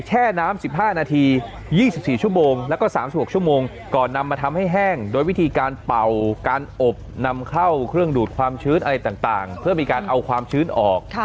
แช่น้ำ๑๕นาที๒๔ชั่วโมงแล้วก็๓๖ชั่วโมงก่อนนำมาทำให้แห้งโดยวิธีการเป่าการอบนำเข้าเครื่องดูดความชื้นอะไรต่างเพื่อมีการเอาความชื้นออก